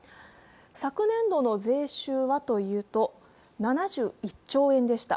昨年度の税収はというと、７１兆円でした。